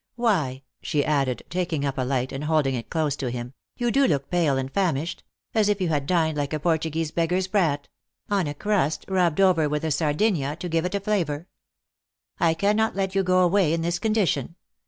Why," she added, taking np a light, and holding it close to him, "you do look pale and famished ; as if you had dined like a Portuguese beggar s brat, on a crust, rubbed over with a sardinha, to give it a flavor. I cannot let you go away in this condition.